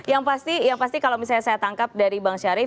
yang pasti yang pasti kalau misalnya saya tangkap dari bang syarif